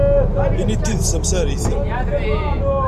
Ini-d tidet tamsarit.